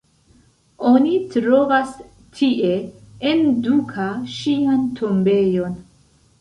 Oni trovas tie, en Duka ŝian tombejon.